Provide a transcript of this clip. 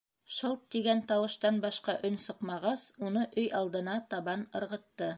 Шылт тигән тауыштан башҡа өн сыҡмағас, уны өй алдына табан ырғытты.